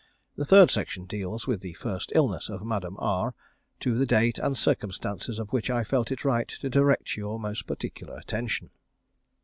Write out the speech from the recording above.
The third section deals with the first illness of Madame R, to the date and circumstances of which I felt it right to direct your most particular attention.